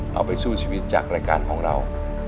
เอาไปสู้ชีวิตจากรายการของเรา